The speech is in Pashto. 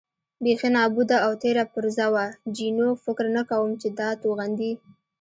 بېخي نابوده او تېره پرزه وه، جینو: فکر نه کوم چې دا توغندي.